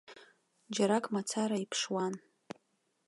Џьарак мацара иԥшуан.